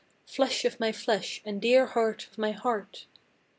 Flesh of my flesh and dear heart of my heart!